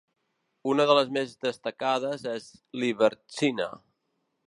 Una de les més destacades és Liberxina.